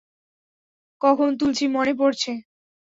কখন তুলছি মনে পরছে?